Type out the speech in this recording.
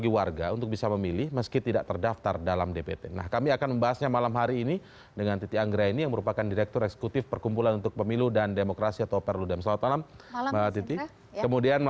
waalaikumsalam baik pak siddiq